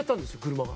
車が。